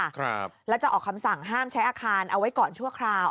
ครับแล้วจะออกคำสั่งห้ามใช้อาคารเอาไว้ก่อนชั่วคราว